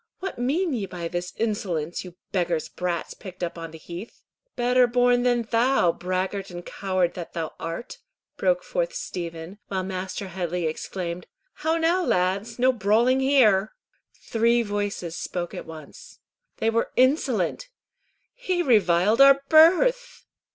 "What mean ye by this insolence, you beggars' brats picked up on the heath?" "Better born than thou, braggart and coward that thou art!" broke forth Stephen, while Master Headley exclaimed, "How now, lads? No brawling here!" Three voices spoke at once. "They were insolent." "He reviled our birth."